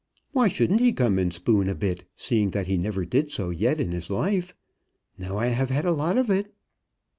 "Why shouldn't he come and spoon a bit, seeing that he never did so yet in his life? Now I have had a lot of it."